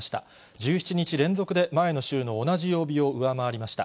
１７日連続で、前の週の同じ曜日を上回りました。